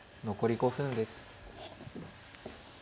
残り５分です。